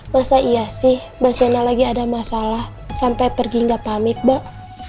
masa iya sih mbak shaina lagi ada masalah sampai pergi gak pamit mbak